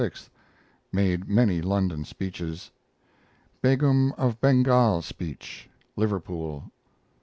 Made many London speeches. Begum of Bengal speech (Liverpool).